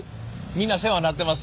みんな世話になってます。